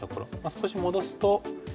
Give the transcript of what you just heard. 少し戻すと。